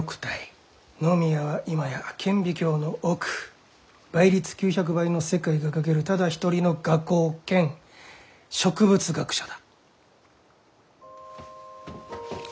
野宮は今や顕微鏡の奥倍率９００倍の世界が描けるただ一人の画工兼植物学者だ。